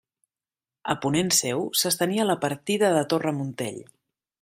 A ponent seu s'estenia la partida de Torre Montell.